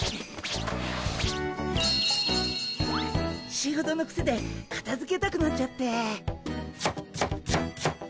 仕事のクセでかたづけたくなっちゃって。